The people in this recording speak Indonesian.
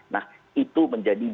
nah itu menjadi dasar